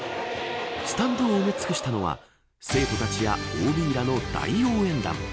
スタンドを埋め尽くしたのは生徒たちやＯＢらの大応援団。